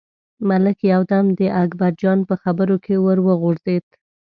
ملک یو دم د اکبرجان په خبرو کې ور وغورځېد.